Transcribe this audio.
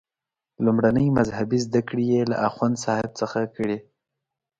لومړنۍ مذهبي زده کړې یې له اخوندصاحب څخه کړي.